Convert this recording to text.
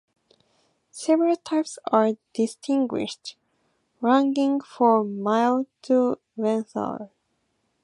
Several types are distinguished, ranging from mild to lethal.